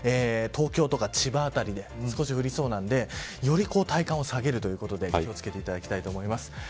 東京とか千葉あたりで少し降りそうなんでより体感を下げるということで気を付けていただきたいと思います。